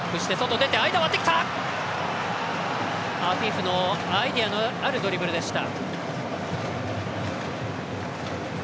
アフィフのアイデアのあるドリブルでした。